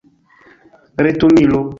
retumilo